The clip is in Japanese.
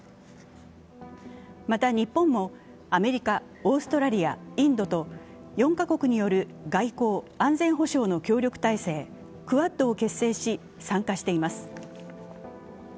また、日本も、アメリカ、オーストラリア、インドと４カ国による外交・安全保障の協力体制クアッドを結成し参加しています。